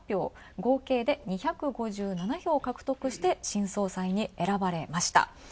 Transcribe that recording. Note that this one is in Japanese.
合計で２５７票獲得して、新総裁に選ばれました。